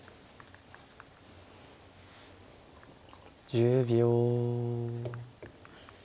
１０秒。